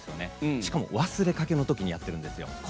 しかも、忘れかけのときにやってるんです。